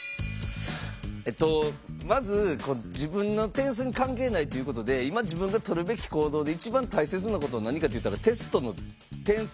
えっとまず自分の点数に関係ないっていうことで今自分がとるべき行動で一番大切なことは何かといったらテストの点数